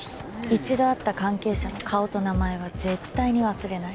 １度会った関係者の顔と名前は絶対に忘れない。